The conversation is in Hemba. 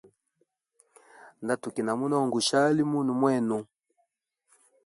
Nda tukina munonga gushali munwe mwenu.